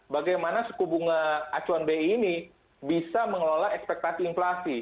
bagaimana suku bunga acuan bi ini bisa mengelola ekspektasi inflasi